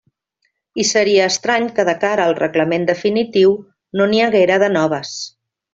I seria estrany que de cara al reglament definitiu no n'hi haguera de noves.